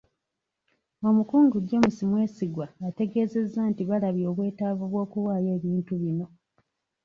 Omukungu James Mwesigwa, ategeezezza nti balabye obwetaavu bw'okuwaayo ebintu bino.